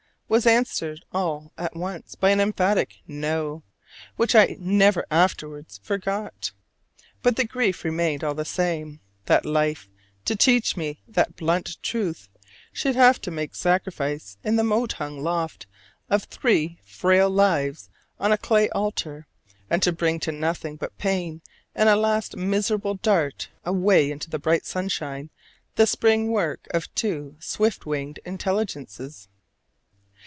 was answered all at once by an emphatic "No," which I never afterward forgot. But the grief remained all the same, that life, to teach me that blunt truth, should have had to make sacrifice in the mote hung loft of three frail lives on a clay altar, and bring to nothing but pain and a last miserable dart away into the bright sunshine the spring work of two swift winged intelligences.